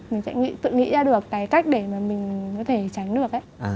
mình sẽ nghĩ tự nghĩ ra được cái cách để mà mình có thể tránh được ấy